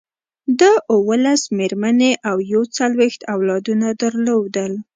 ده اوولس مېرمنې او یو څلویښت اولادونه درلودل.